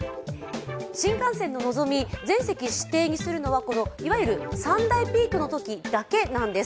新幹線ののぞみ、全席指定にするのはいわゆる３大ピークの時だけなんです。